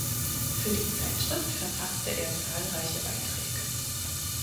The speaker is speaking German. Für die Zeitschrift verfasste er zahlreiche Beiträge.